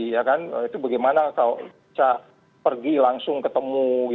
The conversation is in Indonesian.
itu bagaimana kalau bisa pergi langsung ketemu